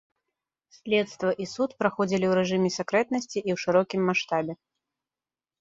Следства і суд праходзілі ў рэжыме сакрэтнасці і ў шырокім маштабе.